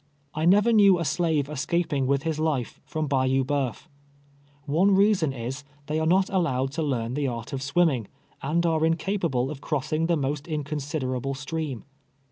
I never knew a slave es caping with his life from Bayou Boeuf. One reason is, the J are not allowed to learn the art of swimming, and are incapable of crossing the most inconsiderable stream.